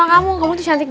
kumi semuja umpuk